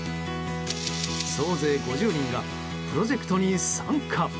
総勢５０人がプロジェクトに参加。